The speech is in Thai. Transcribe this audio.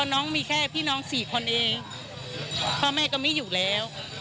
น้องมีแค่พี่น้องสี่คนเองพ่อแม่ก็ไม่อยู่แล้ว